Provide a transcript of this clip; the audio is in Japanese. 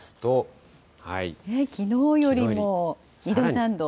きのうよりも２度、３度。